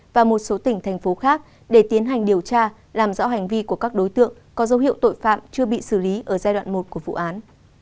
và một số tỉnh thành phố khác để tiến hành điều tra làm rõ hành vi của các đối tượng có dấu hiệu tội phạm chưa bị xử lý ở giai đoạn một của vụ án